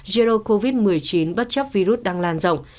zero covid một mươi chín bất chấp virus đang lan rộng